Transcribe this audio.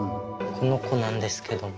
この子なんですけども。